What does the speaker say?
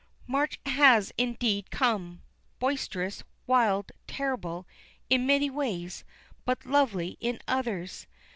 March has indeed come; boisterous, wild, terrible, in many ways, but lovely in others.